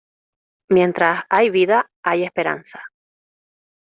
Mientras hay vida hay esperanza.